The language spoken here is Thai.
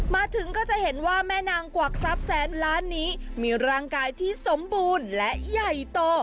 มาถึงก็จะเห็นว่าแม่นางกวักทรัพย์แสนล้านนี้มีร่างกายที่สมบูรณ์และใหญ่โต